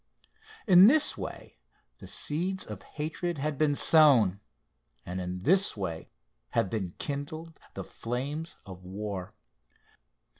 In this way the seeds of hatred had been sown, and in this way have been kindled the flames of war.